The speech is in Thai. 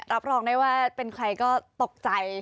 รับรองได้ว่าเป็นใครก็ตกใจ